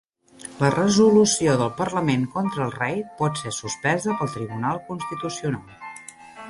La resolució del Parlament contra el rei pot ser suspesa pel Tribunal Constitucional.